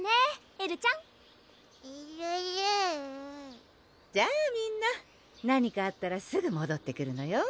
エルちゃん！えるるぅじゃあみんな何かあったらすぐもどってくるのよ